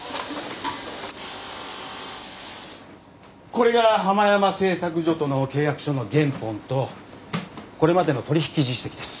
これがハマヤマ製作所との契約書の原本とこれまでの取り引き実績です。